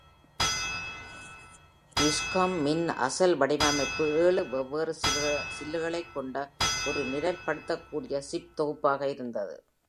Busicom மின் அசல் வடிவமைப்பு ஏழு வெவ்வேறு சில்லுகளைக் கொண்ட ஒரு நிரல்படுத்தக்கூடிய சிப் தொகுப்பாக இருந்தது.